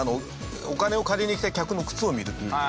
お金を借りに来た客の靴を見るって。